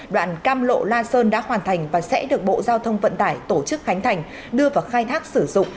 đoạn cam lộ la sơn đã hoàn thành và sẽ được bộ giao thông vận tải tổ chức khánh thành đưa vào khai thác sử dụng